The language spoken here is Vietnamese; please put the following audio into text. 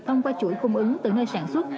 thông qua chuỗi cung ứng từ nơi sản xuất